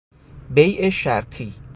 بیع شرطی